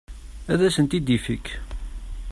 Ad asen-t-id-ifek.